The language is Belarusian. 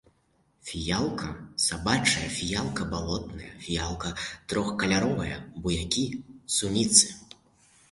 Фіялка сабачая, фіялка балотная, фіялка трохкаляровая, буякі, суніцы.